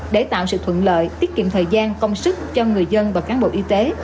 để tạo sự thuận lợi tiết kiệm thời gian công sức cho người dân và cán bộ y tế